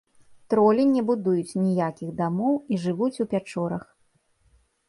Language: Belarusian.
Тролі не будуюць ніякіх дамоў і жывуць у пячорах.